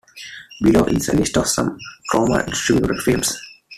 Below is a list of some Troma distributed films.